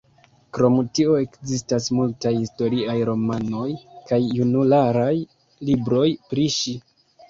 Krom tio ekzistas multaj historiaj romanoj kaj junularaj libroj pri ŝi.